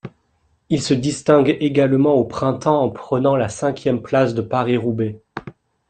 Il se distingue également au printemps en prenant la cinquième place de Paris-Roubaix.